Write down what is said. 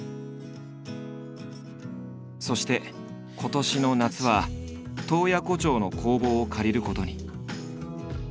そして今年の夏は洞爺湖町の工房を借りることに。